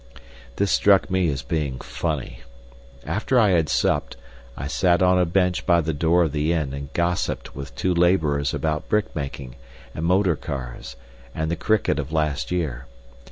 This struck me as being funny. After I had supped I sat on a bench by the door of the inn and gossiped with two labourers about brickmaking, and motor cars, and the cricket of last year.